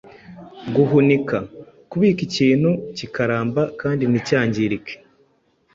Guhunika: kubika ikintu kikaramba kandi nticyangirike